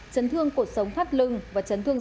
chấn thương cuộc sống thắt lưng và chấn thương